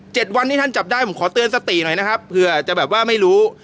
วันที่ท่านจับได้ผมขอเตือนสติหน่อยนะครับเผื่อจะแบบว่าไม่รู้